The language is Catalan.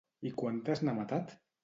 I quantes n'ha matat?